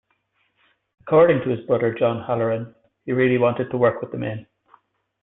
According to his brother John Halloran, he really wanted to work with the men.